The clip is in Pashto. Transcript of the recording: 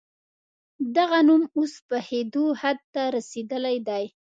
دغه نوم اوس پخېدو حد ته رسېدلی دی.